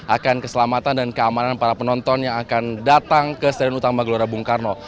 akan keselamatan dan keamanan para penonton yang akan datang ke stadion utama gelora bung karno